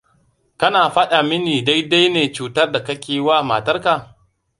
Kana faɗa minidai-dai ne cutar da kake wa matarka?